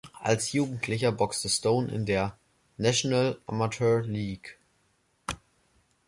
Als Jugendlicher boxte Stone in der „National Amateur League“.